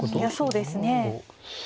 そうですね。